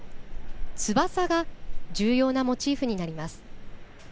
「翼」が重要なモチーフになります。